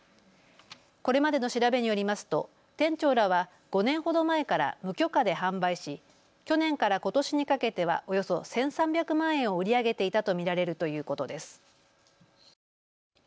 これまでの調べによりますと店長らは５年ほど前から無許可で販売し去年からことしにかけてはおよそ１３００万円を売り上げていたと見られるということです。